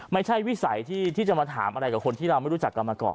วิสัยที่จะมาถามอะไรกับคนที่เราไม่รู้จักกันมาก่อน